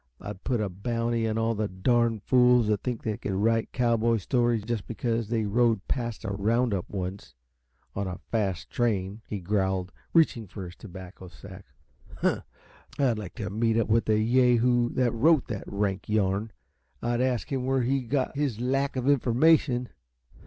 I'd put a bounty on all the darn fools that think they can write cowboy stories just because they rode past a roundup once, on a fast train," he growled, reaching for his tobacco sack. "Huh! I'd like to meet up with the yahoo that wrote that rank yarn! I'd ask him where he got his lack of information.